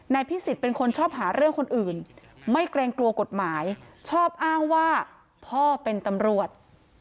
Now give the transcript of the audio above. พิสิทธิ์เป็นคนชอบหาเรื่องคนอื่นไม่เกรงกลัวกฎหมายชอบอ้างว่าพ่อเป็นตำรวจ